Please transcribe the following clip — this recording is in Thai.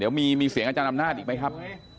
เดี๋ยวมีเสียงอาจารย์อำนาจอีกไหมครับ